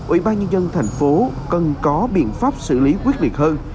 ủy ban nhân dân thành phố cần có biện pháp xử lý quyết liệt hơn